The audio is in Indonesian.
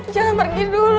jangan pergi dulu